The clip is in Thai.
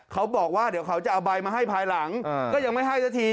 เขาบอกว่าเดี๋ยวเขาจะเอาใบมาให้ภายหลังก็ยังไม่ให้สักที